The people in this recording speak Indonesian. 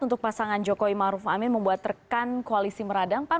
untuk pasangan jokowi maruf amin membuat rekan koalisi meradangpan